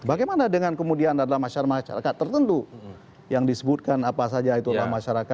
bagaimana dengan kemudian ada masyarakat masyarakat tertentu yang disebutkan apa saja itu adalah masyarakat